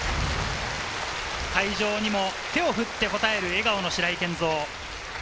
会場にも手を振ってこたえる、笑顔の白井健三。